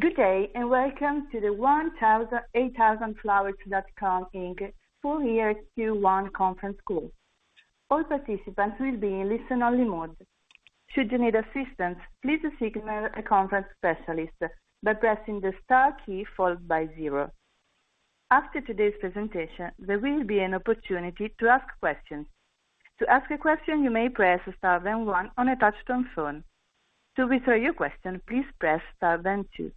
Good day, and welcome to the 1-800-FLOWERS.COM, Inc. Full Year Q1 Conference Call. All participants will be in listen-only mode. Should you need assistance, please signal a conference specialist by pressing the star key followed by zero. After today's presentation, there will be an opportunity to ask questions. To ask a question, you may press star then one on a touch-tone phone. To withdraw your question, please press star then two.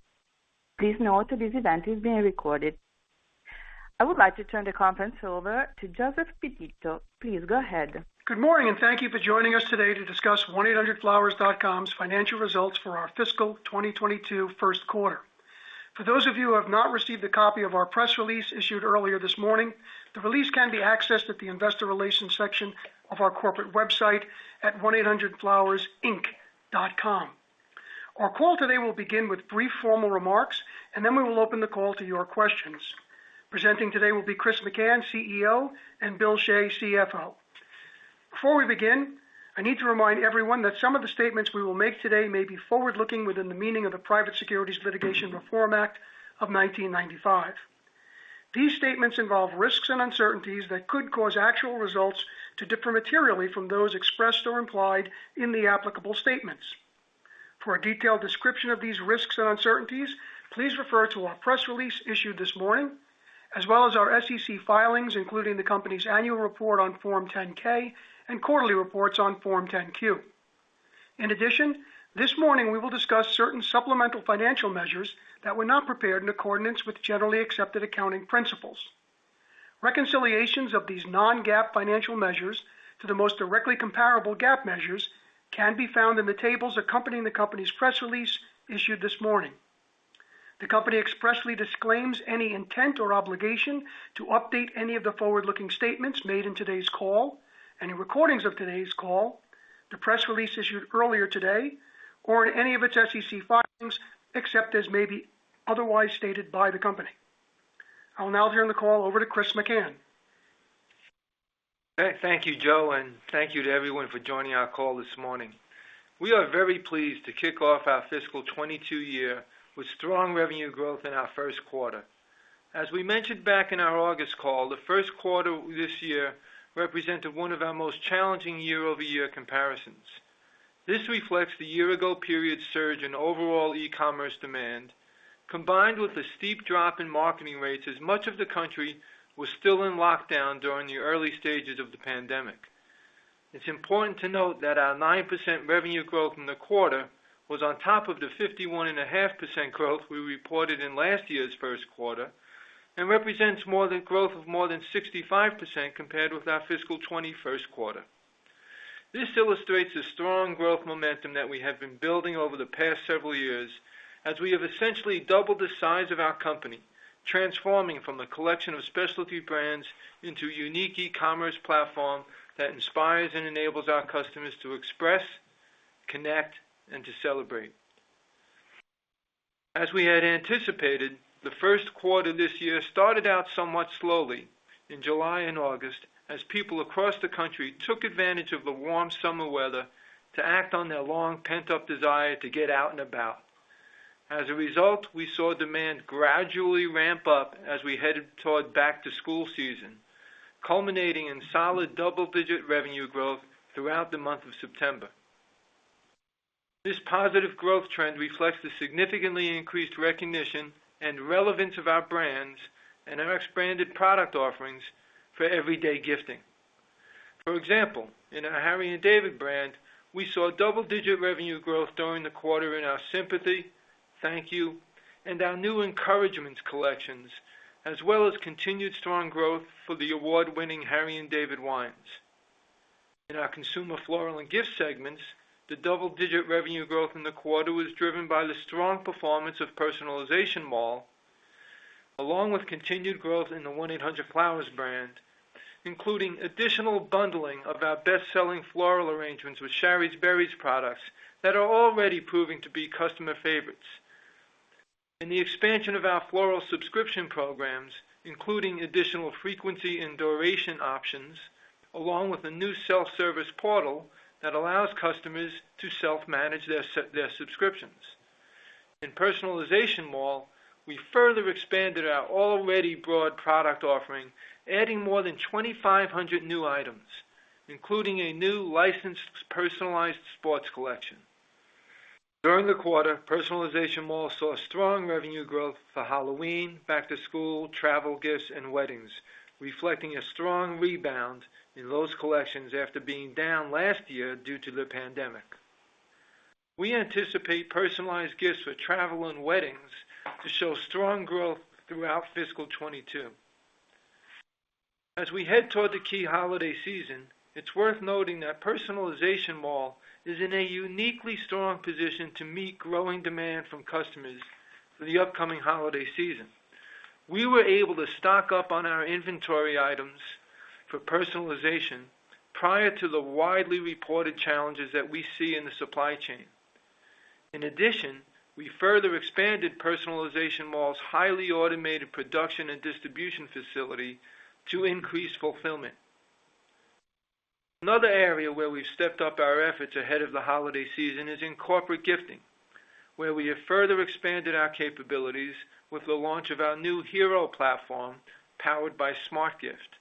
Please note that this event is being recorded. I would like to turn the conference over to Joseph Pititto. Please go ahead. Good morning, and thank you for joining us today to discuss 1-800-FLOWERS.COM's Financial Results for our Fiscal 2022 First Quarter. For those of you who have not received a copy of our press release issued earlier this morning, the release can be accessed at the investor relations section of our corporate website at 1800flowersinc.com. Our call today will begin with three formal remarks, and then we will open the call to your questions. Presenting today will be Chris McCann, CEO, and Bill Shea, CFO. Before we begin, I need to remind everyone that some of the statements we will make today may be forward-looking within the meaning of the Private Securities Litigation Reform Act of 1995. These statements involve risks and uncertainties that could cause actual results to differ materially from those expressed or implied in the applicable statements. For a detailed description of these risks and uncertainties, please refer to our press release issued this morning, as well as our SEC filings, including the company's annual report on Form 10-K and quarterly reports on Form 10-Q. In addition, this morning we will discuss certain supplemental financial measures that were not prepared in accordance with generally accepted accounting principles. Reconciliations of these non-GAAP financial measures to the most directly comparable GAAP measures can be found in the tables accompanying the company's press release issued this morning. The company expressly disclaims any intent or obligation to update any of the forward-looking statements made in today's call, any recordings of today's call, the press release issued earlier today, or in any of its SEC filings, except as may be otherwise stated by the company. I will now turn the call over to Chris McCann. Thank you, Joe, and thank you to everyone for joining our call this morning. We are very pleased to kick off our fiscal 2022 year with strong revenue growth in our first quarter. As we mentioned back in our August call, the first quarter this year represented one of our most challenging year-over-year comparisons. This reflects the year-ago period surge in overall e-commerce demand, combined with the steep drop in marketing rates as much of the country was still in lockdown during the early stages of the pandemic. It's important to note that our 9% revenue growth in the quarter was on top of the 51.5% growth we reported in last year's first quarter and represents growth of more than 65% compared with our fiscal 2021 quarter. This illustrates the strong growth momentum that we have been building over the past several years as we have essentially doubled the size of our company, transforming from the collection of specialty brands into a unique e-commerce platform that inspires and enables our customers to express, connect, and to celebrate. As we had anticipated, the first quarter this year started out somewhat slowly in July and August as people across the country took advantage of the warm summer weather to act on their long pent-up desire to get out and about. As a result, we saw demand gradually ramp up as we headed toward back-to-school season, culminating in solid double-digit revenue growth throughout the month of September. This positive growth trend reflects the significantly increased recognition and relevance of our brands and our expanded product offerings for everyday gifting. For example, in our Harry & David brand, we saw double-digit revenue growth during the quarter in our sympathy, thank you, and our new encouragement collections, as well as continued strong growth for the award-winning Harry & David wines. In our Consumer Floral and Gifts segment, the double-digit revenue growth in the quarter was driven by the strong performance of Personalization Mall, along with continued growth in the 1-800-FLOWERS brand, including additional bundling of our best-selling floral arrangements with Shari's Berries products that are already proving to be customer favorites, in the expansion of our floral subscription programs, including additional frequency and duration options, along with a new self-service portal that allows customers to self-manage their subscriptions. In Personalization Mall, we further expanded our already broad product offering, adding more than 2,500 new items, including a new licensed personalized sports collection. During the quarter, Personalization Mall saw strong revenue growth for Halloween, back-to-school, travel gifts, and weddings, reflecting a strong rebound in those collections after being down last year due to the pandemic. We anticipate personalized gifts for travel and weddings to show strong growth throughout fiscal 2022. As we head toward the key holiday season, it's worth noting that Personalization Mall is in a uniquely strong position to meet growing demand from customers for the upcoming holiday season. We were able to stock up on our inventory items for personalization prior to the widely reported challenges that we see in the supply chain. In addition, we further expanded Personalization Mall highly automated production and distribution facility to increase fulfillment. Another area where we stepped up our efforts ahead of the holiday season is in corporate gifting, where we have further expanded our capabilities with the launch of our new Hero platform, powered by SmartGift.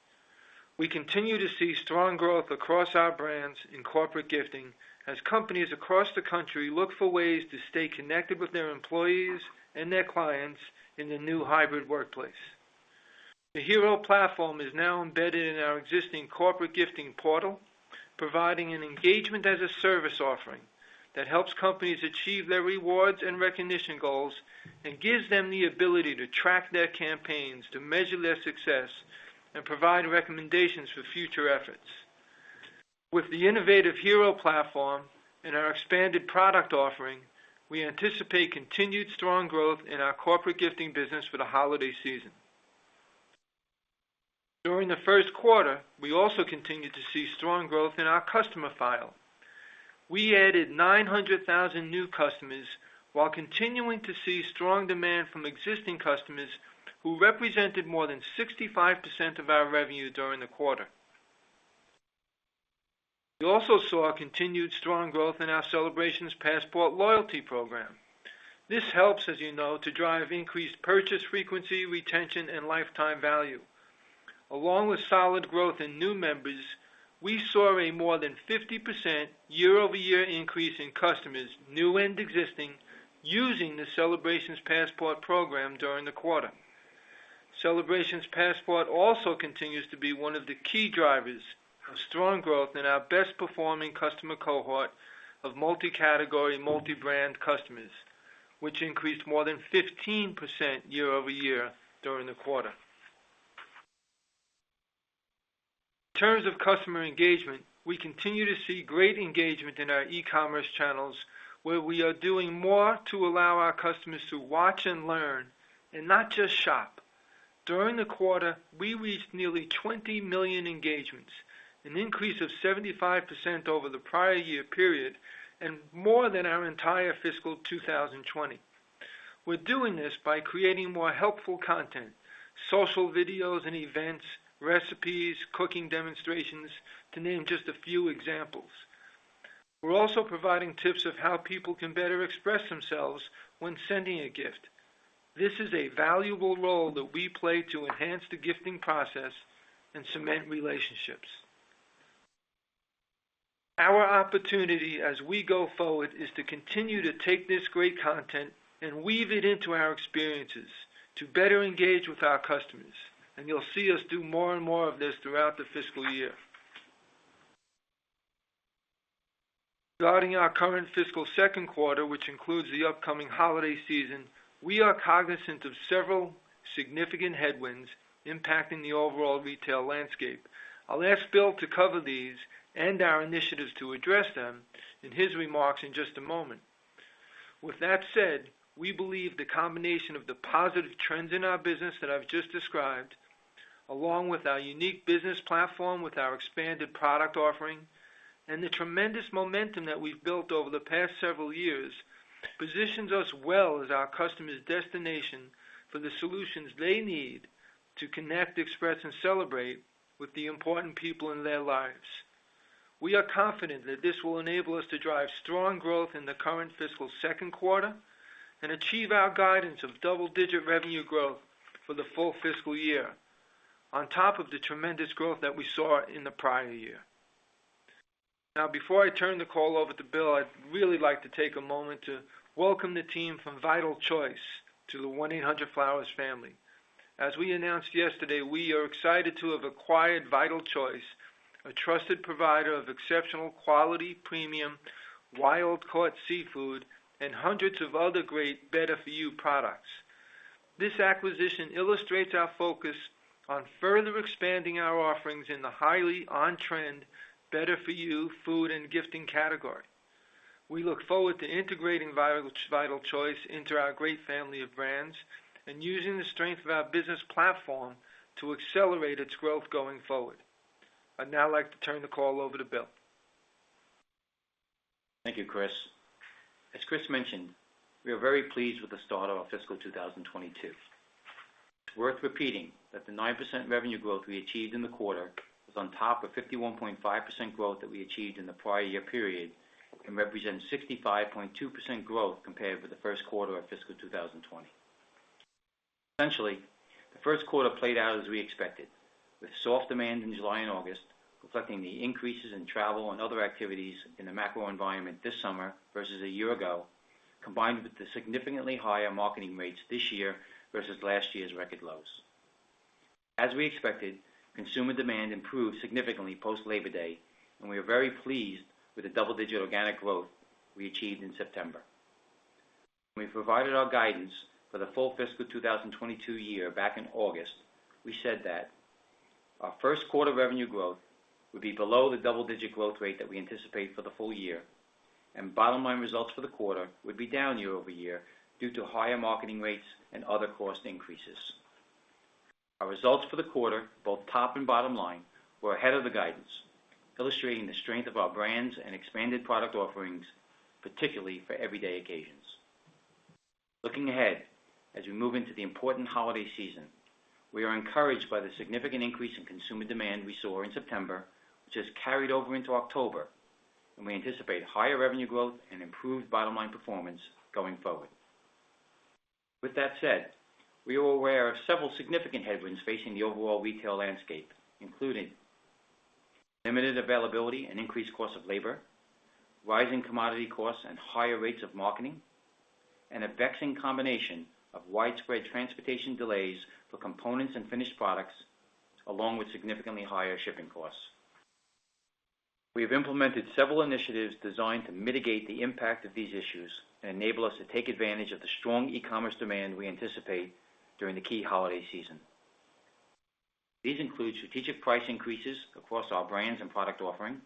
We continue to see strong growth across our brands in corporate gifting as companies across the country look for ways to stay connected with their employees and their clients in the new hybrid workplace. The Hero platform is now embedded in our existing corporate gifting portal, providing an engagement as a service offering that helps companies achieve their rewards and recognition goals, and gives them the ability to track their campaigns to measure their success and provide recommendations for future efforts. With the innovative Hero platform and our expanded product offering, we anticipate continued strong growth in our corporate gifting business for the holiday season. During the first quarter, we also continued to see strong growth in our customer file. We added 900,000 new customers while continuing to see strong demand from existing customers who represented more than 65% of our revenue during the quarter. We also saw continued strong growth in our Celebrations Passport loyalty program. This helps, as you know, to drive increased purchase frequency, retention, and lifetime value. Along with solid growth in new members, we saw a more than 50% year-over-year increase in customers, new and existing, using the Celebrations Passport program during the quarter. Celebrations Passport also continues to be one of the key drivers of strong growth in our best performing customer cohort of multi-category, multi-brand customers, which increased more than 15% year-over-year during the quarter. In terms of customer engagement, we continue to see great engagement in our e-commerce channels, where we are doing more to allow our customers to watch and learn and not just shop. During the quarter, we reached nearly 20 million engagements, an increase of 75% over the prior year period, and more than our entire fiscal 2020. We're doing this by creating more helpful content, social videos and events, recipes, cooking demonstrations to name just a few examples. We're also providing tips of how people can better express themselves when sending a gift. This is a valuable role that we play to enhance the gifting process and cement relationships. Our opportunity as we go forward is to continue to take this great content and weave it into our experiences to better engage with our customers, and you'll see us do more and more of this throughout the fiscal year. Regarding our current fiscal second quarter, which includes the upcoming holiday season, we are cognizant of several significant headwinds impacting the overall retail landscape. I'll ask Bill to cover these and our initiatives to address them in his remarks in just a moment. With that said, we believe the combination of the positive trends in our business that I've just described, along with our unique business platform, with our expanded product offering, and the tremendous momentum that we've built over the past several years, positions us well as our customers' destination for the solutions they need to connect, express, and celebrate with the important people in their lives. We are confident that this will enable us to drive strong growth in the current fiscal second quarter and achieve our guidance of double-digit revenue growth for the full fiscal year on top of the tremendous growth that we saw in the prior year. Now, before I turn the call over to Bill, I'd really like to take a moment to welcome the team from Vital Choice to the 1-800-FLOWERS family. As we announced yesterday, we are excited to have acquired Vital Choice, a trusted provider of exceptional quality, premium wild-caught seafood and hundreds of other great better for you products. This acquisition illustrates our focus on further expanding our offerings in the highly on-trend better for you food and gifting category. We look forward to integrating Vital Choice into our great family of brands and using the strength of our business platform to accelerate its growth going forward. I'd now like to turn the call over to Bill. Thank you, Chris. As Chris mentioned, we are very pleased with the start of our fiscal 2022. It's worth repeating that the 9% revenue growth we achieved in the quarter was on top of 51.5% growth that we achieved in the prior year period and represents 65.2% growth compared with the first quarter of fiscal 2020. Essentially, the first quarter played out as we expected, with soft demand in July and August, reflecting the increases in travel and other activities in the macro environment this summer versus a year ago, combined with the significantly higher marketing rates this year versus last year's record lows. As we expected, consumer demand improved significantly post Labor Day, and we are very pleased with the double-digit organic growth we achieved in September. When we provided our guidance for the full fiscal 2022 year back in August, we said that our first quarter revenue growth would be below the double-digit growth rate that we anticipate for the full year, and bottom line results for the quarter would be down year-over-year due to higher marketing rates and other cost increases. Our results for the quarter, both top and bottom line, were ahead of the guidance, illustrating the strength of our brands and expanded product offerings, particularly for everyday occasions. Looking ahead, as we move into the important holiday season, we are encouraged by the significant increase in consumer demand we saw in September, which has carried over into October, and we anticipate higher revenue growth and improved bottom line performance going forward. With that said, we are aware of several significant headwinds facing the overall retail landscape, including limited availability and increased cost of labor, rising commodity costs and higher rates of marketing, and a vexing combination of widespread transportation delays for components and finished products, along with significantly higher shipping costs. We have implemented several initiatives designed to mitigate the impact of these issues and enable us to take advantage of the strong e-commerce demand we anticipate during the key holiday season. These include strategic price increases across our brands and product offering,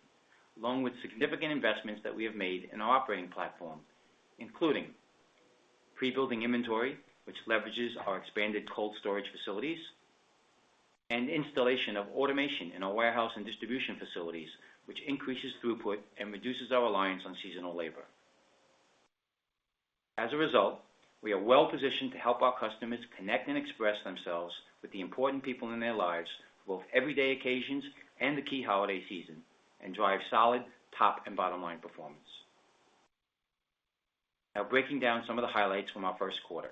along with significant investments that we have made in our operating platform, including pre-building inventory, which leverages our expanded cold storage facilities and installation of automation in our warehouse and distribution facilities, which increases throughput and reduces our reliance on seasonal labor. As a result, we are well-positioned to help our customers connect and express themselves with the important people in their lives for both everyday occasions and the key holiday season and drive solid top and bottom line performance. Now breaking down some of the highlights from our first quarter.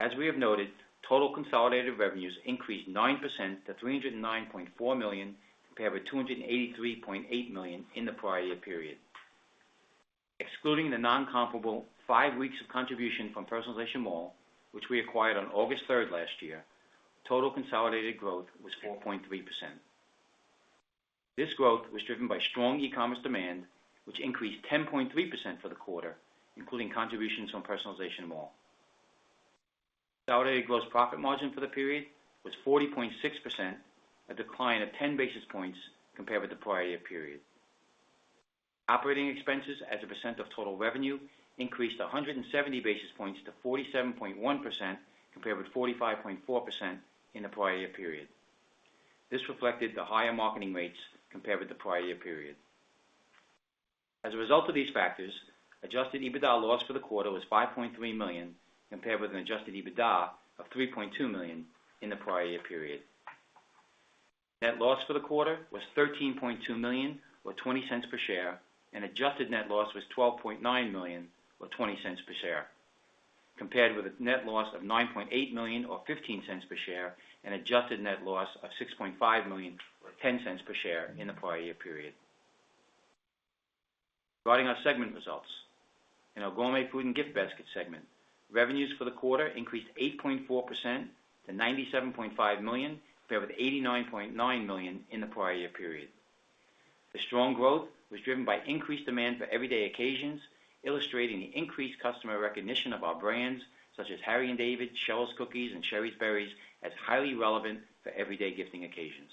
As we have noted, total consolidated revenues increased 9% to $309.4 million, compared with $283.8 million in the prior year period. Excluding the non-comparable five weeks of contribution from Personalization Mall, which we acquired on August 3rd last year, total consolidated growth was 4.3%. This growth was driven by strong e-commerce demand, which increased 10.3% for the quarter, including contributions from Personalization Mall. Consolidated gross profit margin for the period was 40.6%, a decline of 10 basis points compared with the prior year period. Operating expenses as a percent of total revenue increased 170 basis points to 47.1% compared with 45.4% in the prior year period. This reflected the higher marketing rates compared with the prior year period. As a result of these factors, Adjusted EBITDA loss for the quarter was $5.3 million compared with an Adjusted EBITDA of $3.2 million in the prior year period. Net loss for the quarter was $13.2 million or $0.20 per share, and adjusted net loss was $12.9 million or $0.20 per share, compared with a net loss of $9.8 million or $0.15 per share, and adjusted net loss of $6.5 million or $0.10 per share in the prior year period. Providing our segment results. In our Gourmet Foods and Gift Baskets segment, revenues for the quarter increased 8.4% to $97.5 million compared with $89.9 million in the prior year period. The strong growth was driven by increased demand for everyday occasions, illustrating the increased customer recognition of our brands such as Harry & David, Cheryl's Cookies, and Shari's Berries as highly relevant for everyday gifting occasions.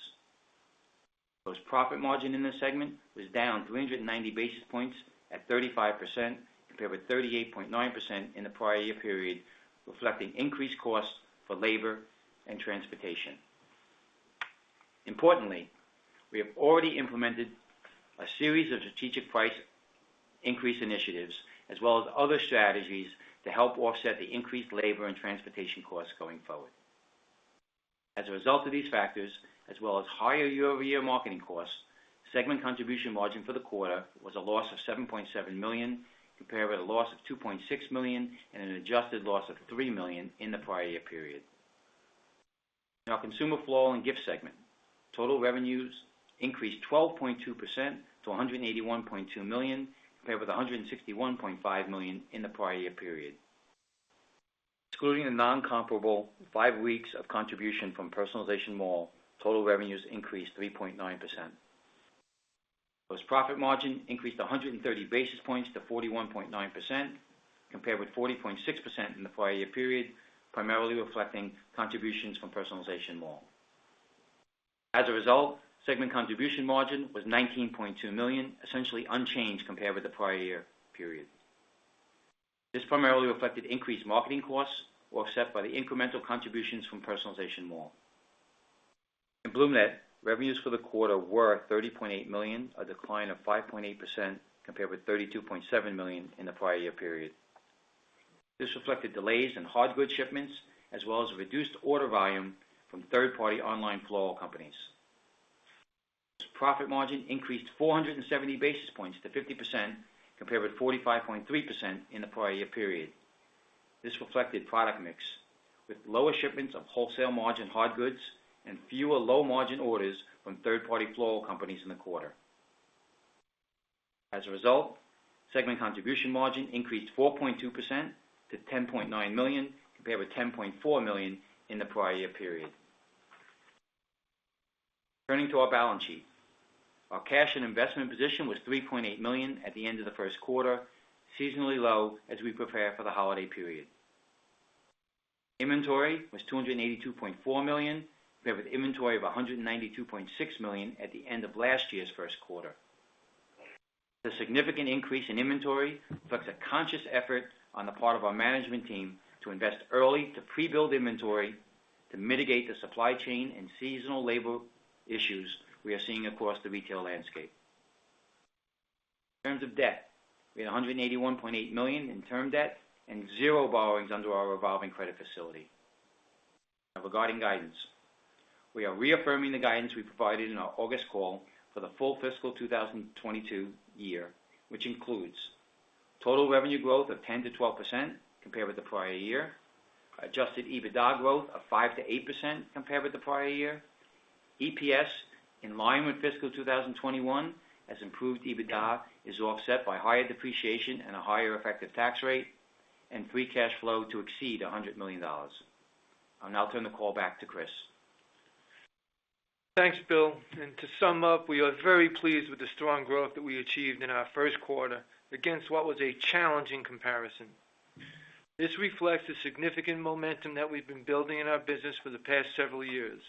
Gross profit margin in this segment was down 390 basis points at 35% compared with 38.9% in the prior year period, reflecting increased costs for labor and transportation. Importantly, we have already implemented a series of strategic price increase initiatives as well as other strategies to help offset the increased labor and transportation costs going forward. As a result of these factors, as well as higher year-over-year marketing costs, segment contribution margin for the quarter was a loss of $7.7 million compared with a loss of $2.6 million and an adjusted loss of $3 million in the prior year period. Now Consumer Floral and Gifts segment. Total revenues increased 12.2% to $181.2 million compared with $161.5 million in the prior year period. Excluding the non-comparable five weeks of contribution from Personalization Mall, total revenues increased 3.9%. Gross profit margin increased 130 basis points to 41.9% compared with 40.6% in the prior year period, primarily reflecting contributions from Personalization Mall. As a result, segment contribution margin was $19.2 million, essentially unchanged compared with the prior year period. This primarily reflected increased marketing costs offset by the incremental contributions from Personalization Mall. In BloomNet, revenues for the quarter were $30.8 million, a decline of 5.8% compared with $32.7 million in the prior year period. This reflected delays in hard good shipments as well as a reduced order volume from third-party online floral companies. Profit margin increased 470 basis points to 50% compared with 45.3% in the prior year period. This reflected product mix with lower shipments of wholesale margin hard goods and fewer low margin orders from third-party floral companies in the quarter. As a result, segment contribution margin increased 4.2% to $10.9 million compared with $10.4 million in the prior year period. Turning to our balance sheet. Our cash and investment position was $3.8 million at the end of the first quarter, seasonally low as we prepare for the holiday period. Inventory was $282.4 million compared with inventory of $192.6 million at the end of last year's first quarter. The significant increase in inventory reflects a conscious effort on the part of our management team to invest early to pre-build inventory to mitigate the supply chain and seasonal labor issues we are seeing across the retail landscape. In terms of debt, we had $181.8 million in term debt and zero borrowings under our revolving credit facility. Now regarding guidance, we are reaffirming the guidance we provided in our August call for the full fiscal 2022 year, which includes total revenue growth of 10%-12% compared with the prior year. Adjusted EBITDA growth of 5%-8% compared with the prior year. EPS in line with fiscal 2021 as improved EBITDA is offset by higher depreciation and a higher effective tax rate and free cash flow to exceed $100 million. I'll now turn the call back to Chris. Thanks, Bill. To sum up, we are very pleased with the strong growth that we achieved in our first quarter against what was a challenging comparison. This reflects the significant momentum that we've been building in our business for the past several years.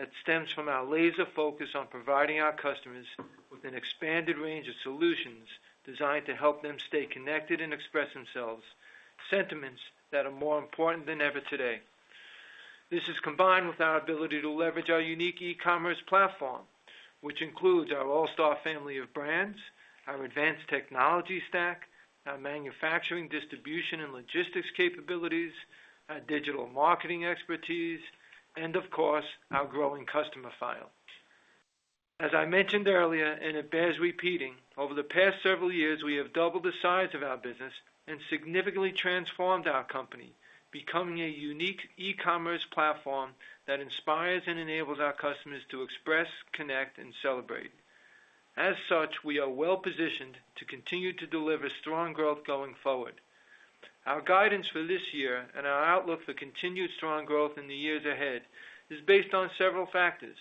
That stems from our laser focus on providing our customers with an expanded range of solutions designed to help them stay connected and express themselves, sentiments that are more important than ever today. This is combined with our ability to leverage our unique e-commerce platform, which includes our all-star family of brands, our advanced technology stack, our manufacturing, distribution, and logistics capabilities, our digital marketing expertise, and of course, our growing customer file. As I mentioned earlier, and it bears repeating, over the past several years, we have doubled the size of our business and significantly transformed our company, becoming a unique e-commerce platform that inspires and enables our customers to express, connect, and celebrate. As such, we are well-positioned to continue to deliver strong growth going forward. Our guidance for this year and our outlook for continued strong growth in the years ahead is based on several factors,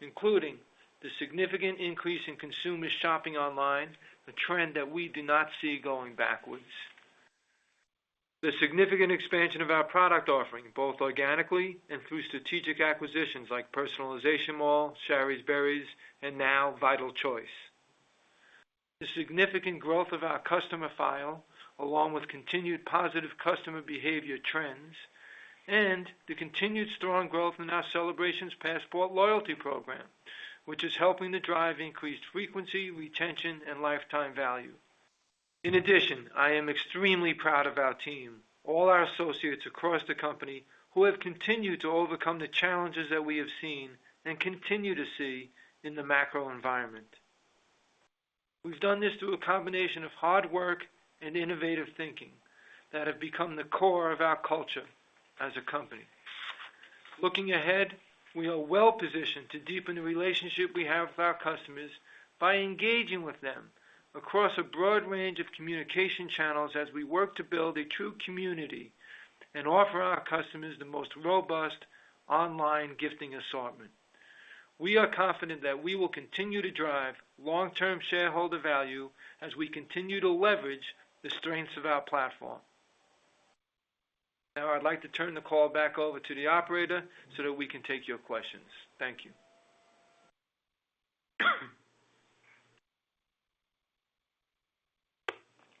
including the significant increase in consumers shopping online, a trend that we do not see going backwards. The significant expansion of our product offering, both organically and through strategic acquisitions like Personalization Mall, Shari's Berries, and now Vital Choice. The significant growth of our customer file, along with continued positive customer behavior trends and the continued strong growth in our Celebrations Passport loyalty program, which is helping to drive increased frequency, retention, and lifetime value. In addition, I am extremely proud of our team, all our associates across the company who have continued to overcome the challenges that we have seen and continue to see in the macro environment. We've done this through a combination of hard work and innovative thinking that have become the core of our culture as a company. Looking ahead, we are well-positioned to deepen the relationship we have with our customers by engaging with them across a broad range of communication channels as we work to build a true community and offer our customers the most robust online gifting assortment. We are confident that we will continue to drive long-term shareholder value as we continue to leverage the strengths of our platform. Now, I'd like to turn the call back over to the operator so that we can take your questions. Thank you.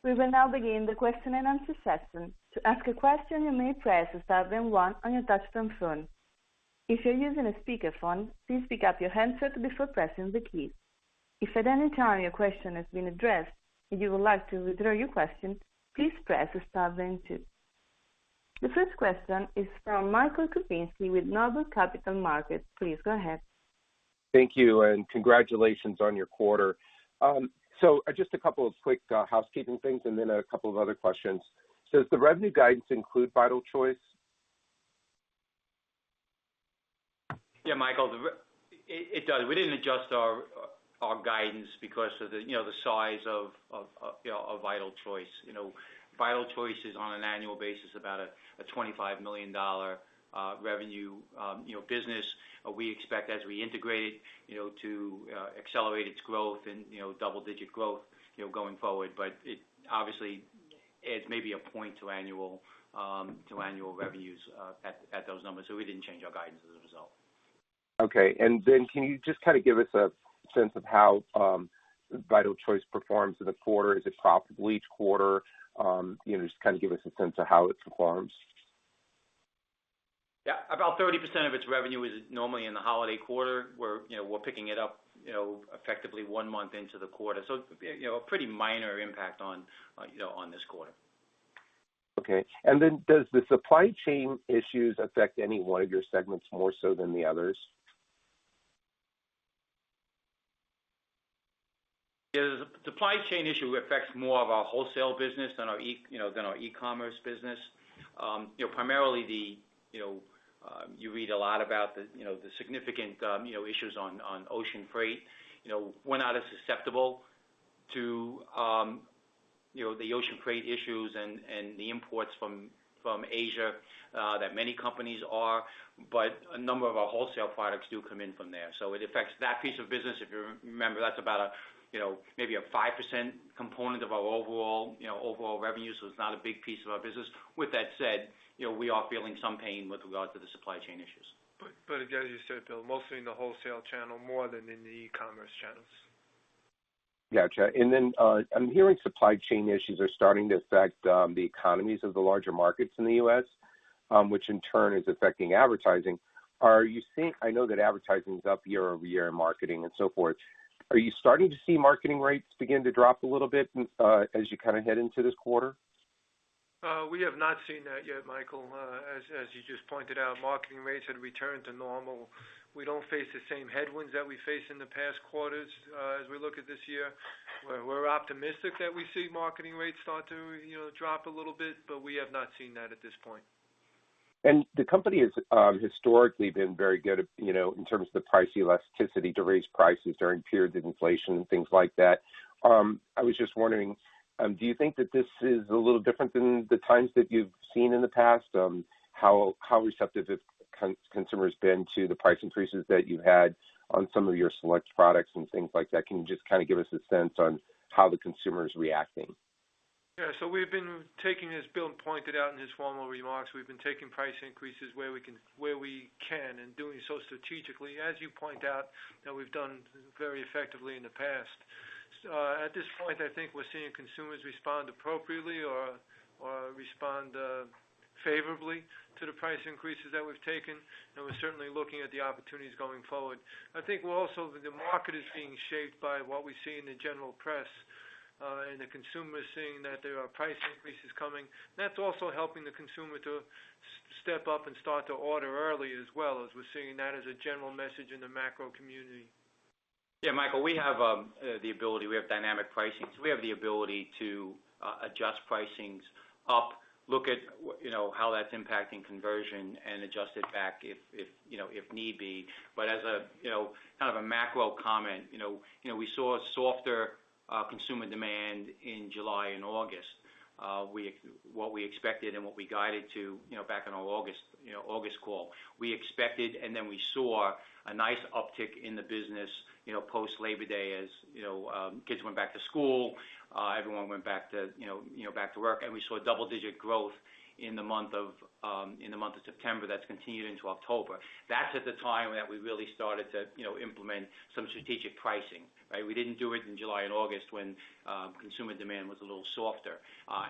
We will now begin the question and answer session. To ask a question, you may press star then one on your touchtone phone. If you're using a speakerphone, please pick up your handset before pressing the key. If at any time your question has been addressed and you would like to withdraw your question, please press star then two. The first question is from Michael Kupinski with Noble Capital Markets. Please go ahead. Thank you, and congratulations on your quarter. Just a couple of quick housekeeping things and then a couple of other questions. Does the revenue guidance include Vital Choice? Yeah, Michael, it does. We didn't adjust our guidance because of you know the size of you know Vital Choice. You know, Vital Choice is on an annual basis about a $25 million revenue you know business. We expect as we integrate it you know to accelerate its growth and you know double-digit growth you know going forward. It obviously may add a point to annual revenues at those numbers, so we didn't change our guidance as a result. Okay. Can you just kind of give us a sense of how Vital Choice performs in a quarter? Is it profitable each quarter? You know, just kind of give us a sense of how it performs. Yeah. About 30% of its revenue is normally in the holiday quarter. We're, you know, picking it up, you know, effectively one month into the quarter. So, you know, a pretty minor impact on, you know, on this quarter. Okay. Does the supply chain issues affect any one of your segments more so than the others? The supply chain issue affects more of our wholesale business than our e-commerce business. You know, primarily, you read a lot about the significant issues on ocean freight. You know, we're not as susceptible to the ocean freight issues and the imports from Asia that many companies are. A number of our wholesale products do come in from there, so it affects that piece of business. If you remember, that's about a, you know, maybe a 5% component of our overall revenue, so it's not a big piece of our business. With that said, you know, we are feeling some pain with regards to the supply chain issues. Again, as you said, Bill, mostly in the wholesale channel more than in the e-commerce channels. Gotcha. Then, I'm hearing supply chain issues are starting to affect the economies of the larger markets in the U.S., which in turn is affecting advertising. Are you seeing? I know that advertising is up year-over-year in marketing and so forth. Are you starting to see marketing rates begin to drop a little bit, as you kind of head into this quarter? We have not seen that yet, Michael. As you just pointed out, marketing rates had returned to normal. We don't face the same headwinds that we faced in the past quarters, as we look at this year. We're optimistic that we see marketing rates start to, you know, drop a little bit, but we have not seen that at this point. The company has historically been very good at, you know, in terms of the price elasticity to raise prices during periods of inflation and things like that. I was just wondering, do you think that this is a little different than the times that you've seen in the past? How receptive have consumers been to the price increases that you had on some of your select products and things like that? Can you just kind of give us a sense on how the consumer is reacting? Yeah. We've been taking, as Bill pointed out in his formal remarks, price increases where we can and doing so strategically. As you point out, that we've done very effectively in the past. At this point, I think we're seeing consumers respond appropriately or respond favorably to the price increases that we've taken, and we're certainly looking at the opportunities going forward. The market is being shaped by what we see in the general press, and the consumer is seeing that there are price increases coming. That's also helping the consumer to step up and start to order early as well, as we're seeing that as a general message in the macro community. Yeah, Michael, we have dynamic pricing, so we have the ability to adjust pricings up, look at you know how that's impacting conversion and adjust it back if you know if need be. But as a you know kind of a macro comment, you know we saw a softer consumer demand in July and August, what we expected and what we guided to you know back in our August call. We expected, and then we saw a nice uptick in the business you know post Labor Day, as you know kids went back to school, everyone went back to you know back to work. We saw double-digit growth in the month of September. That's continued into October. That's at the time that we really started to, you know, implement some strategic pricing, right? We didn't do it in July and August when consumer demand was a little softer,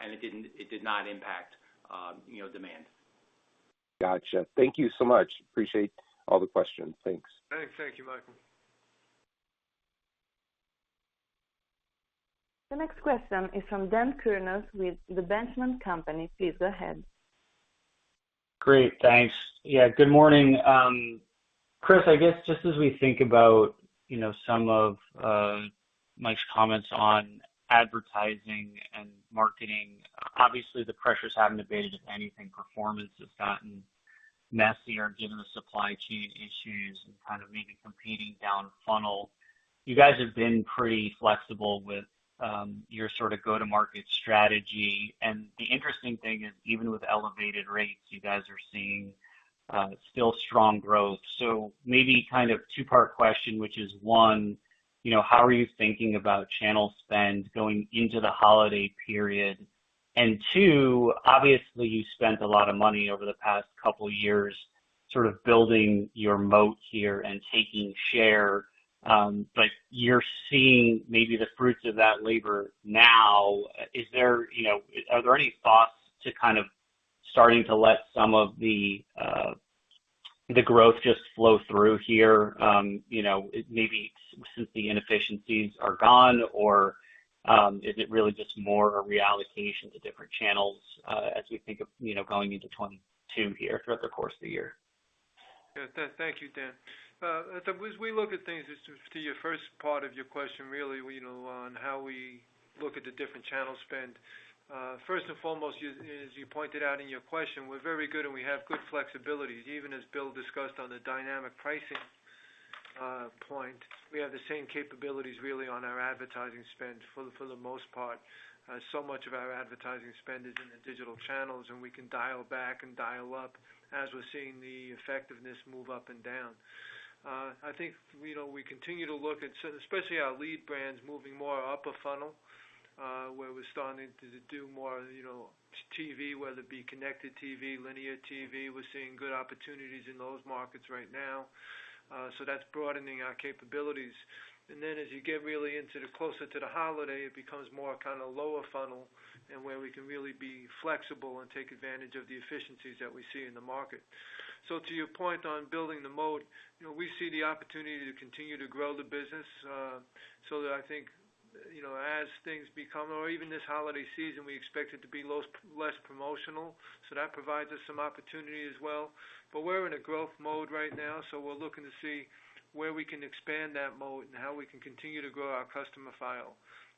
and it did not impact, you know, demand. Gotcha. Thank you so much. Appreciate all the questions. Thanks. All right. Thank you, Michael. The next question is from Dan Kurnos with The Benchmark Company. Please go ahead. Great. Thanks. Yeah, good morning. Chris, I guess just as we think about, you know, some of Mike's comments on advertising and marketing. Obviously, the pressures haven't abated. If anything, performance has gotten messier given the supply chain issues and kind of maybe competing down funnel. You guys have been pretty flexible with your sort of go-to-market strategy. The interesting thing is, even with elevated rates, you guys are seeing still strong growth. Maybe kind of two-part question, which is, one, you know, how are you thinking about channel spend going into the holiday period? And two, obviously, you spent a lot of money over the past couple years sort of building your moat here and taking share, but you're seeing maybe the fruits of that labor now. Is there, you know? Are there any thoughts to kind of starting to let some of the growth just flow through here, you know, maybe since the inefficiencies are gone? Or, is it really just more a reallocation to different channels, as we think of, you know, going into 2022 here throughout the course of the year? Thank you, Dan. As we look at things, just to your first part of your question, really, you know, on how we look at the different channel spend. First and foremost, as you pointed out in your question, we're very good and we have good flexibilities. Even as Bill discussed on the dynamic pricing point, we have the same capabilities really on our advertising spend for the most part. So much of our advertising spend is in the digital channels, and we can dial back and dial up as we're seeing the effectiveness move up and down. I think, you know, we continue to look at especially our lead brands moving more upper funnel, where we're starting to do more, you know, TV, whether it be connected TV, linear TV. We're seeing good opportunities in those markets right now. That's broadening our capabilities. As you get really into the closer to the holiday, it becomes more kind of lower funnel and where we can really be flexible and take advantage of the efficiencies that we see in the market. To your point on building the moat, you know, we see the opportunity to continue to grow the business, that I think, you know, as things become or even this holiday season, we expect it to be less promotional. That provides us some opportunity as well. We're in a growth mode right now, so we're looking to see where we can expand that moat and how we can continue to grow our customer file.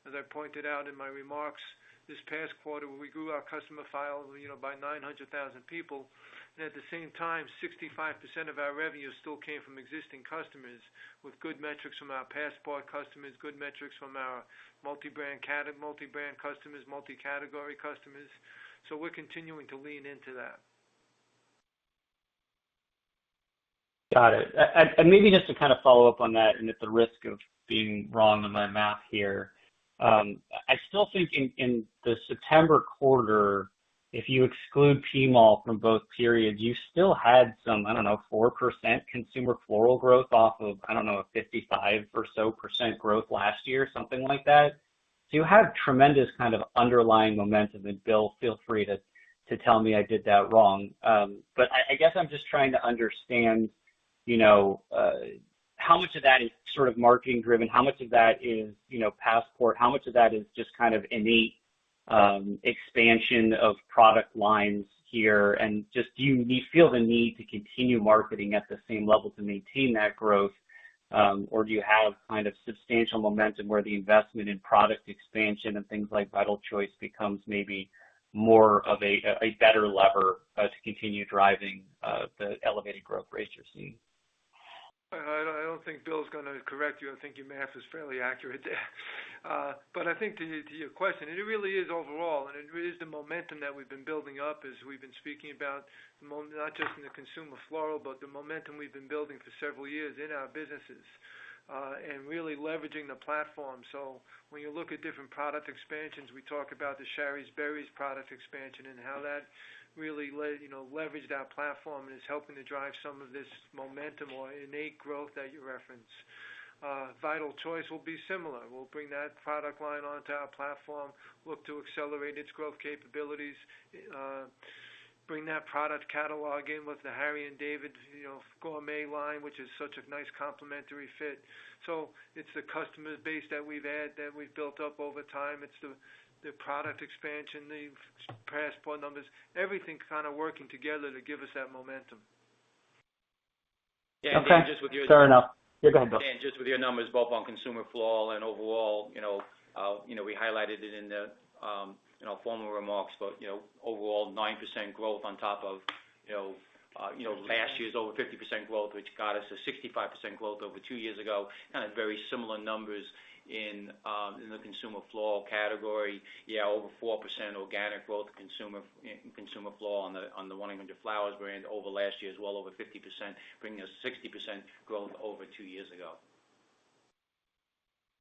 As I pointed out in my remarks this past quarter, we grew our customer file, you know, by 900,000 people. At the same time, 65% of our revenue still came from existing customers with good metrics from our Passport customers, good metrics from our multi-brand customers, multi-category customers. We're continuing to lean into that. Got it. Maybe just to kind of follow up on that, at the risk of being wrong on my math here. I still think in the September quarter, if you exclude PMALL from both periods, you still had some, I don't know, 4% consumer floral growth off of, I don't know, a 55% or so growth last year, something like that. You have tremendous kind of underlying momentum. Bill, feel free to tell me I did that wrong. I guess I'm just trying to understand, you know, how much of that is sort of marketing driven? How much of that is, you know, Passport? How much of that is just kind of innate expansion of product lines here? Just do you feel the need to continue marketing at the same level to maintain that growth? Do you have kind of substantial momentum where the investment in product expansion and things like Vital Choice becomes maybe more of a better lever to continue driving the elevated growth rates you're seeing? I don't think Bill's gonna correct you. I think your math is fairly accurate there. I think to your question, it really is overall, and it really is the momentum that we've been building up as we've been speaking about not just in the Consumer Floral, but the momentum we've been building for several years in our businesses, and really leveraging the platform. When you look at different product expansions, we talk about the Shari's Berries product expansion and how that really you know, leveraged our platform and is helping to drive some of this momentum or innate growth that you referenced. Vital Choice will be similar. We'll bring that product line onto our platform, look to accelerate its growth capabilities, bring that product catalog in with the Harry & David, you know, gourmet line, which is such a nice complementary fit. It's the customer base that we've had, that we've built up over time. It's the product expansion, the Passport numbers, everything kind of working together to give us that momentum. Okay. Fair enough. Dan, just with your You go ahead, Bill. Dan, just with your numbers both on Consumer Floral and overall, you know, we highlighted it in the formal remarks, but you know, overall 9% growth on top of you know, last year's over 50% growth, which got us a 65% growth over two years ago, kind of very similar numbers in the Consumer Floral category. Yeah, over 4% organic growth in Consumer Floral on the 1-800-FLOWERS brand over last year's well over 50%, bringing us 60% growth over two years ago.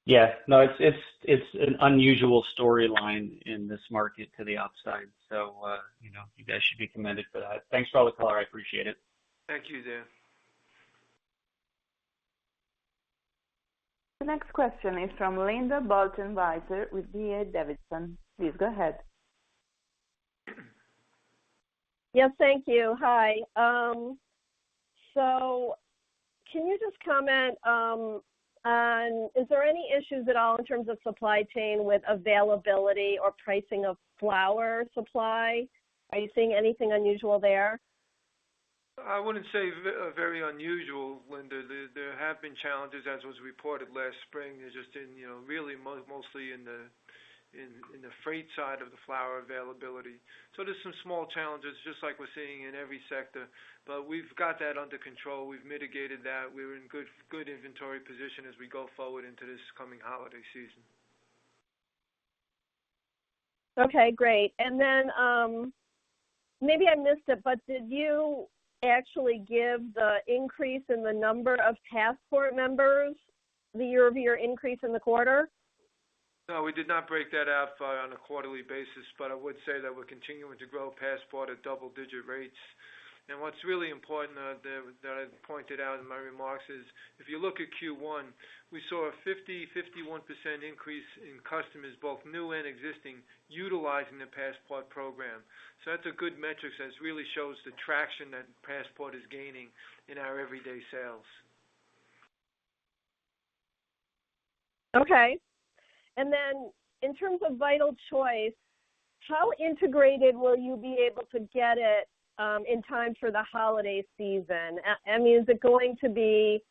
Yeah. No, it's an unusual storyline in this market to the upside. You know, you guys should be commended for that. Thanks for all the color. I appreciate it. Thank you, Dan. The next question is from Linda Bolton Weiser with D.A. Davidson. Please go ahead. Yes, thank you. Hi. Can you just comment on is there any issues at all in terms of supply chain with availability or pricing of flower supply? Are you seeing anything unusual there? I wouldn't say very unusual, Linda. There have been challenges, as was reported last spring, just in you know really mostly in the freight side of the flower availability. There's some small challenges, just like we're seeing in every sector. We've got that under control. We've mitigated that. We're in good inventory position as we go forward into this coming holiday season. Okay, great. Maybe I missed it, but did you actually give the increase in the number of Passport members, the year-over-year increase in the quarter? No, we did not break that out on a quarterly basis, but I would say that we're continuing to grow Passport at double-digit rates. What's really important that I pointed out in my remarks is, if you look at Q1, we saw a 51% increase in customers, both new and existing, utilizing the Passport program. That's a good metric that really shows the traction that Passport is gaining in our everyday sales. Okay. In terms of Vital Choice, how integrated will you be able to get it in time for the holiday season? I mean, is it going to be,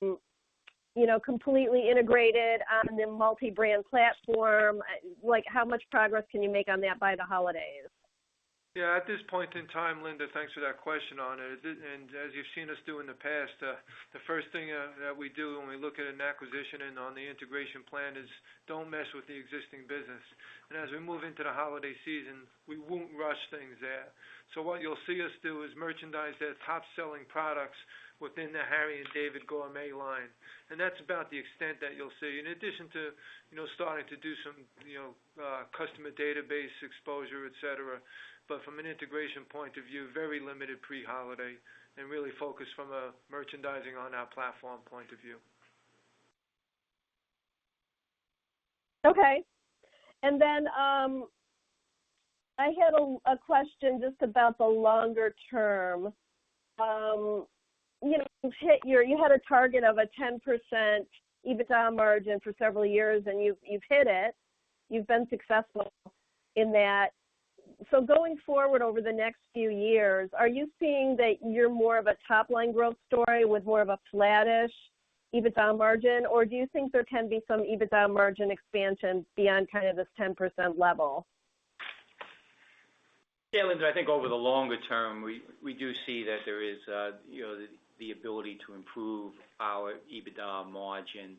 you know, completely integrated on the multi-brand platform? Like how much progress can you make on that by the holidays? Yeah. At this point in time, Linda, thanks for that question on it. As you've seen us do in the past, the first thing that we do when we look at an acquisition and on the integration plan is don't mess with the existing business. As we move into the holiday season, we won't rush things there. What you'll see us do is merchandise their top-selling products within the Harry & David gourmet line. That's about the extent that you'll see in addition to, you know, starting to do some, you know, customer database exposure, et cetera. From an integration point of view, very limited pre-holiday and really focused from a merchandising on our platform point of view. Okay. I had a question just about the longer term. You know, you had a target of a 10% EBITDA margin for several years, and you've hit it. You've been successful in that. Going forward over the next few years, are you seeing that you're more of a top-line growth story with more of a flattish EBITDA margin? Or do you think there can be some EBITDA margin expansion beyond kind of this 10% level? Yeah, Linda, I think over the longer term, we do see that there is, you know, the ability to improve our EBITDA margin,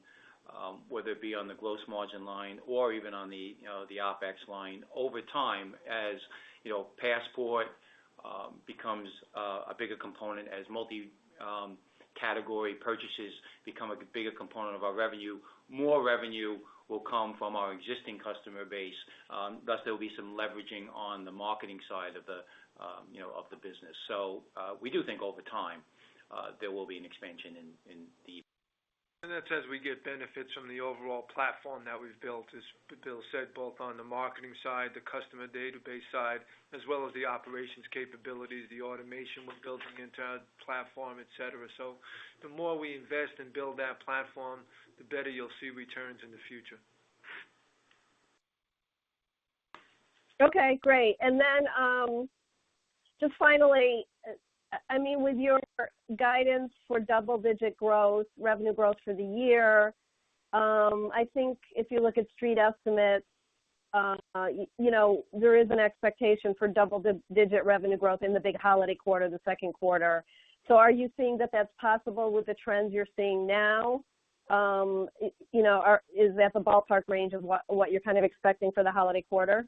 whether it be on the gross margin line or even on the, you know, the OpEx line over time. As you know, Passport becomes a bigger component, as multi-category purchases become a bigger component of our revenue, more revenue will come from our existing customer base. Thus there'll be some leveraging on the marketing side of the business. We do think over time there will be an expansion in the EBITDA margin. That's as we get benefits from the overall platform that we've built, as Bill said, both on the marketing side, the customer database side, as well as the operations capabilities, the automation we're building into our platform, et cetera. The more we invest and build that platform, the better you'll see returns in the future. Okay, great. Just finally, I mean, with your guidance for double digit growth, revenue growth for the year, I think if you look at street estimates, you know, there is an expectation for double digit revenue growth in the big holiday quarter, the second quarter. Are you seeing that that's possible with the trends you're seeing now? You know, is that the ballpark range of what you're kind of expecting for the holiday quarter?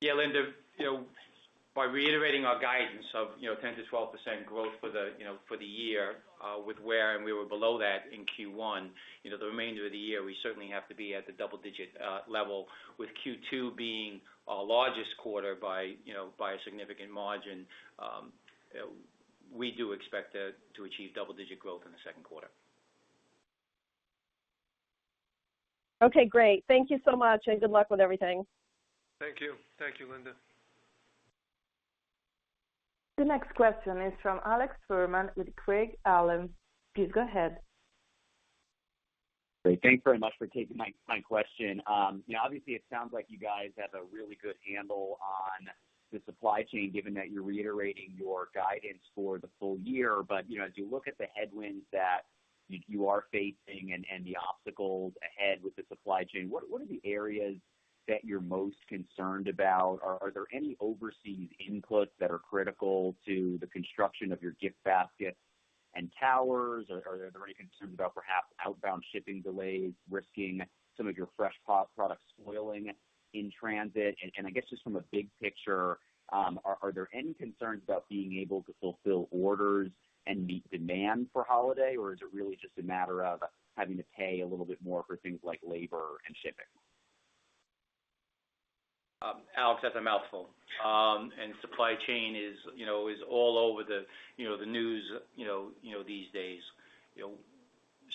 Yeah, Linda, you know, by reiterating our guidance of 10%-12% growth for the year, with where we were below that in Q1, you know, the remainder of the year, we certainly have to be at the double-digit level with Q2 being our largest quarter by a significant margin. We do expect to achieve double-digit growth in the second quarter. Okay, great. Thank you so much, and good luck with everything. Thank you. Thank you, Linda. The next question is from Alex Fuhrman with Craig-Hallum. Please go ahead. Great. Thanks very much for taking my question. You know, obviously it sounds like you guys have a really good handle on the supply chain, given that you're reiterating your guidance for the full year. You know, as you look at the headwinds that you are facing and the obstacles ahead with the supply chain, what are the areas that you're most concerned about? Are there any overseas inputs that are critical to the construction of your gift basket and towers? Are there any concerns about perhaps outbound shipping delays risking some of your fresh products spoiling in transit? I guess just from a big picture, are there any concerns about being able to fulfill orders and meet demand for holiday? Is it really just a matter of having to pay a little bit more for things like labor and shipping? Alex, that's a mouthful. Supply chain is all over the news these days. You know,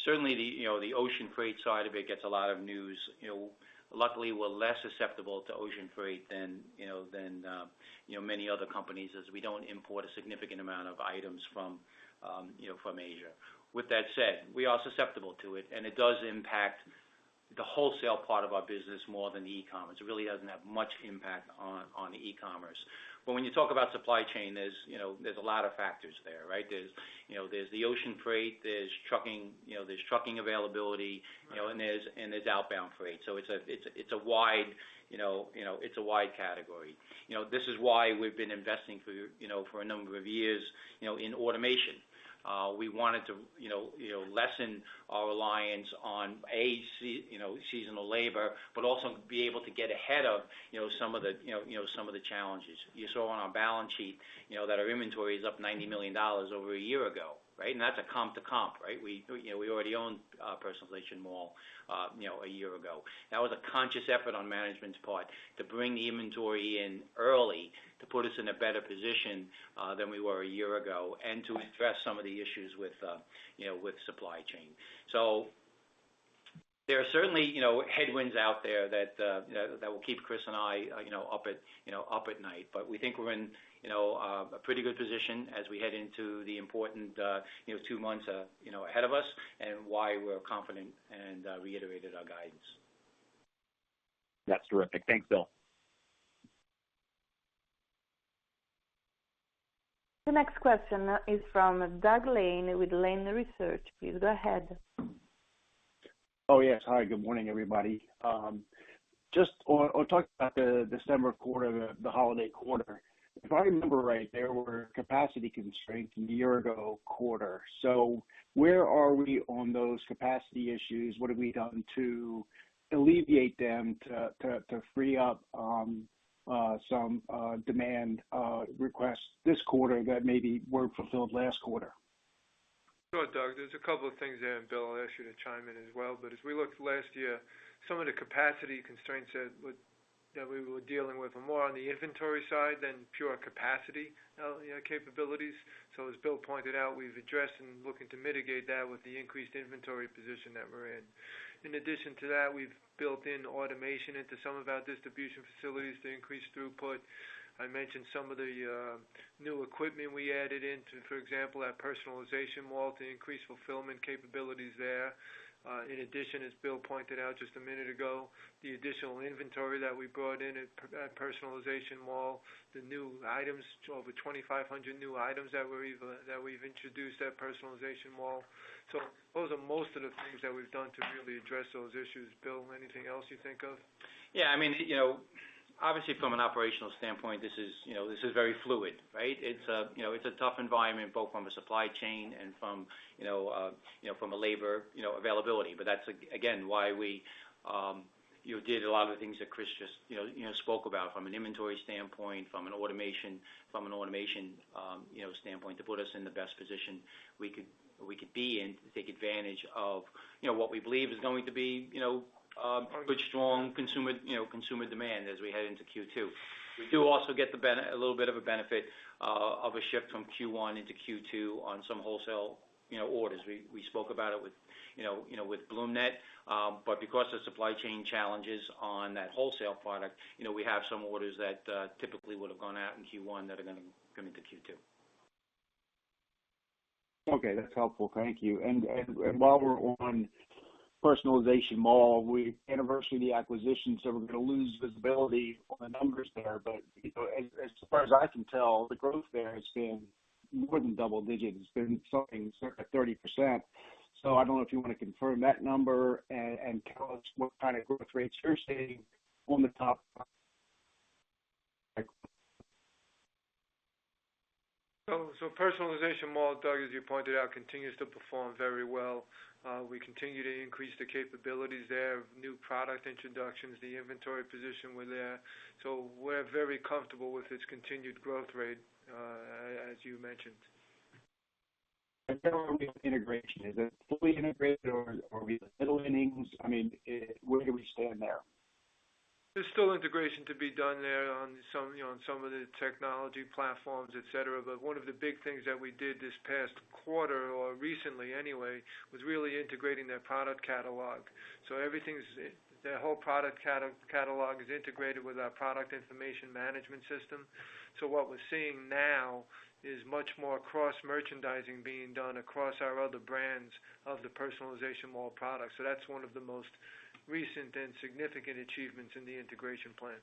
certainly the ocean freight side of it gets a lot of news. You know, luckily, we're less susceptible to ocean freight than many other companies as we don't import a significant amount of items from Asia. With that said, we are susceptible to it, and it does impact the wholesale part of our business more than the e-commerce. It really doesn't have much impact on the e-commerce. When you talk about supply chain, there's a lot of factors there, right? There's the ocean freight, there's trucking, there's trucking availability, and there's outbound freight. It's a wide category. You know, this is why we've been investing for a number of years, you know, in automation. We wanted to lessen our reliance on seasonal labor, but also be able to get ahead of some of the challenges. You saw on our balance sheet, you know, that our inventory is up $90 million over a year ago, right? That's a comp to comp, right? We already owned Personalization Mall, you know, a year ago. That was a conscious effort on management's part to bring the inventory in early to put us in a better position than we were a year ago, and to address some of the issues with you know, with supply chain. There are certainly you know, headwinds out there that that will keep Chris and I you know, up at you know, up at night. We think we're in you know, a pretty good position as we head into the important you know, two months you know, ahead of us and why we're confident and reiterated our guidance. That's terrific. Thanks, Bill. The next question is from Douglas Lane with Lane Research. Please go ahead. Oh, yes. Hi, good morning, everybody. Just talk about the December quarter, the holiday quarter. If I remember right, there were capacity constraints a year ago quarter. Where are we on those capacity issues? What have we done to alleviate them to free up some demand requests this quarter that maybe weren't fulfilled last quarter? Sure, Doug. There's a couple of things there, and Bill, I'll ask you to chime in as well. As we looked last year, some of the capacity constraints that we were dealing with were more on the inventory side than pure capacity, you know, capabilities. As Bill pointed out, we've addressed and looking to mitigate that with the increased inventory position that we're in. In addition to that, we've built in automation into some of our distribution facilities to increase throughput. I mentioned some of the new equipment we added in to, for example, our Personalization Mall to increase fulfillment capabilities there. In addition, as Bill pointed out just a minute ago, the additional inventory that we brought in at Personalization Mall, the new items, over 2,500 new items that we've introduced at Personalization Mall. Those are most of the things that we've done to really address those issues. Bill, anything else you think of? Yeah, I mean, you know, obviously from an operational standpoint, this is you know very fluid, right? It's you know a tough environment, both from a supply chain and from you know from a labor you know availability. But that's again why we you know did a lot of the things that Chris just you know spoke about from an inventory standpoint, from an automation you know standpoint to put us in the best position we could be in to take advantage of you know what we believe is going to be you know pretty strong consumer demand as we head into Q2. We do also get a little bit of a benefit of a shift from Q1 into Q2 on some wholesale you know orders. We spoke about it with, you know, BloomNet. Because of supply chain challenges on that wholesale product, you know, we have some orders that typically would have gone out in Q1 that are gonna come into Q2. Okay, that's helpful. Thank you. While we're on Personalization Mall, we anniversary the acquisition, so we're gonna lose visibility on the numbers there. You know, as far as I can tell, the growth there has been more than double digits. It's been something circa 30%. So I don't know if you wanna confirm that number and tell us what kind of growth rates you're seeing on the top line. Personalization Mall, Doug, as you pointed out, continues to perform very well. We continue to increase the capabilities there, new product introductions, the inventory position we're there. We're very comfortable with its continued growth rate, as you mentioned. On the integration, is it fully integrated or are we middling? I mean, where do we stand there? There's still integration to be done there on some, you know, on some of the technology platforms, et cetera. One of the big things that we did this past quarter or recently anyway, was really integrating their product catalog. Everything's in their whole product catalog is integrated with our product information management system. What we're seeing now is much more cross-merchandising being done across our other brands of the Personalization Mall product. That's one of the most recent and significant achievements in the integration plan.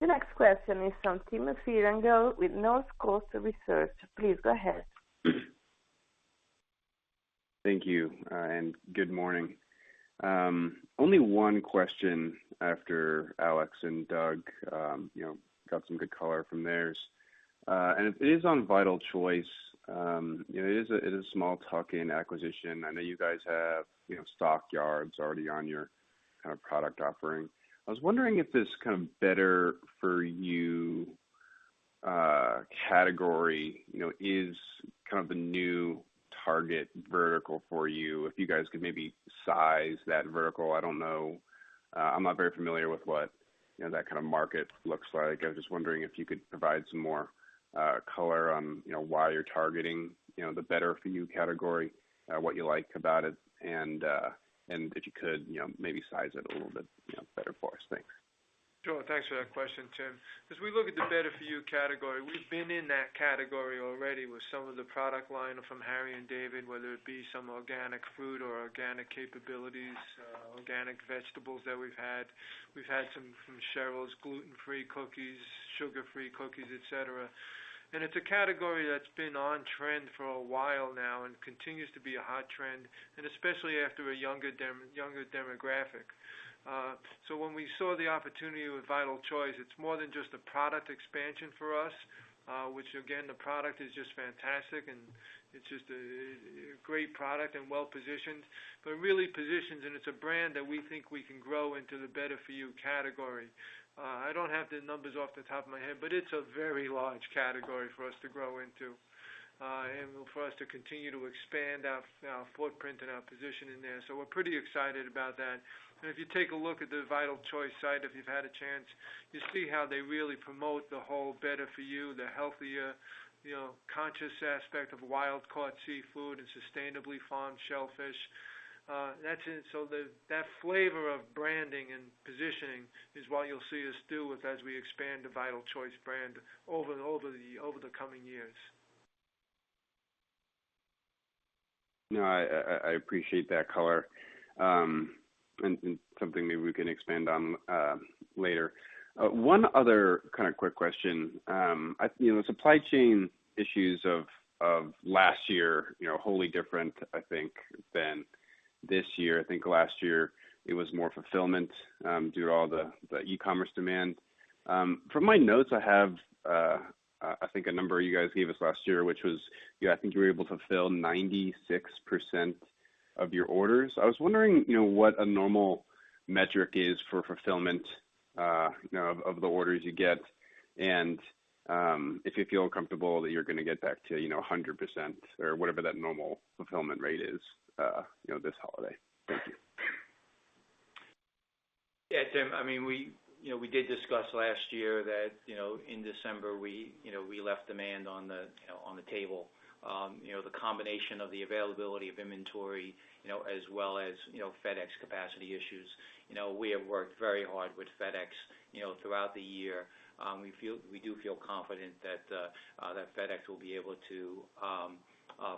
The next question is from Timothy Rangel with Northcoast Research. Please go ahead. Thank you and good morning. Only one question after Alex and Doug, you know, got some good color from theirs. It is on Vital Choice. You know, it is a small tuck-in acquisition. I know you guys have, you know, Stock Yards already on your kind of product offering. I was wondering if this kind of better-for-you category, you know, is kind of the new target vertical for you. If you guys could maybe size that vertical. I don't know. I'm not very familiar with what, you know, that kind of market looks like. I was just wondering if you could provide some more color on, you know, why you're targeting, you know, the better-for-you category, what you like about it. if you could, you know, maybe size it a little bit, you know, better for us. Thanks. Sure. Thanks for that question, Tim. As we look at the better-for-you category, we've been in that category already with some of the product line from Harry & David, whether it be some organic food or organic capabilities, organic vegetables that we've had. We've had some from Cheryl's gluten-free cookies, sugar-free cookies, et cetera. It's a category that's been on trend for a while now and continues to be a hot trend, and especially after a younger demographic. So when we saw the opportunity with Vital Choice, it's more than just a product expansion for us, which again, the product is just fantastic and it's just a great product and well-positioned, but really positions and it's a brand that we think we can grow into the better-for-you category. I don't have the numbers off the top of my head, but it's a very large category for us to grow into, and for us to continue to expand our footprint and our position in there. We're pretty excited about that. If you take a look at the Vital Choice site, if you've had a chance, you see how they really promote the whole better for you, the healthier, you know, conscious aspect of wild-caught seafood and sustainably farmed shellfish. That flavor of branding and positioning is what you'll see us do with as we expand the Vital Choice brand over the coming years. No, I appreciate that color, and something maybe we can expand on later. One other kinda quick question. You know, supply chain issues of last year, you know, wholly different, I think, than this year. I think last year it was more fulfillment due to all the e-commerce demand. From my notes, I have, I think, a number you guys gave us last year, which was, you know, I think you were able to fulfill 96% of your orders. I was wondering, you know, what a normal metric is for fulfillment, you know, of the orders you get, and if you feel comfortable that you're gonna get back to, you know, 100% or whatever that normal fulfillment rate is, you know, this holiday. Thank you. Yeah, Tim. I mean, we did discuss last year that in December we left demand on the table. The combination of the availability of inventory as well as FedEx capacity issues. We have worked very hard with FedEx throughout the year. We do feel confident that FedEx will be able to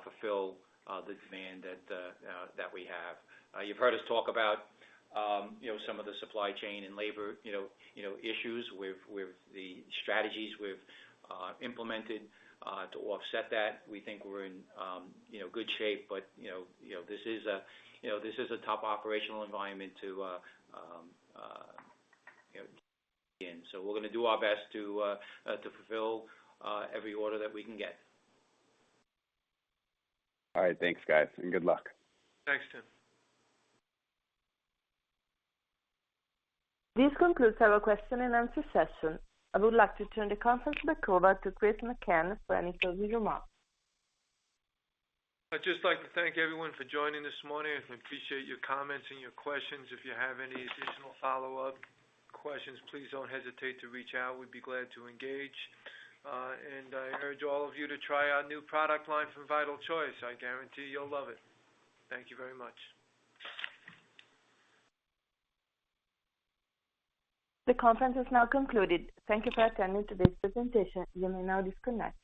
fulfill the demand that we have. You've heard us talk about some of the supply chain and labor issues with the strategies we've implemented to offset that. We think we're in good shape, but you know, this is a top operational environment to be in. So we're gonna do our best to fulfill every order that we can get. All right. Thanks, guys, and good luck. Thanks, Tim. This concludes our question and answer session. I would like to turn the conference back over to Chris McCann for any closing remarks. I'd just like to thank everyone for joining this morning, and we appreciate your comments and your questions. If you have any additional follow-up questions, please don't hesitate to reach out. We'd be glad to engage. I urge all of you to try our new product line from Vital Choice. I guarantee you'll love it. Thank you very much. The conference has now concluded. Thank you for attending today's presentation. You may now disconnect.